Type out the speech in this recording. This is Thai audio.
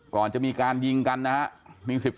ก่อนจะมีการยิงกันนะครับ